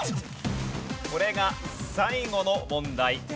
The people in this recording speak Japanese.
これが最後の問題。